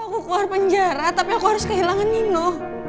aku keluar penjara tapi aku harus kehilangan nino